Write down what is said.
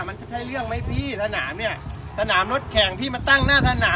มันจะใช่เรื่องไหมพี่สนามเนี่ยสนามรถแข่งพี่มาตั้งหน้าสนาม